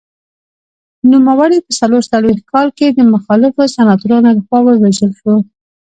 نوموړی په څلور څلوېښت کال کې د مخالفو سناتورانو لخوا ووژل شو.